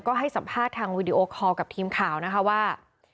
ก็ให้สัมภาษณ์ทางวีดีโอคอลกับทีมข่าวนะคะว่า